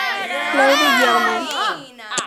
Claude Jarman Jr.